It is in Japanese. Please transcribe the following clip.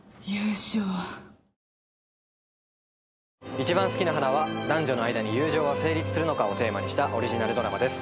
『いちばんすきな花』は男女の間に友情は成立するのかをテーマにしたオリジナルドラマです。